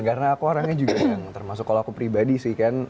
karena aku orangnya juga yang termasuk kalau aku pribadi sih kan